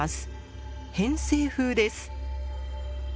偏西風です。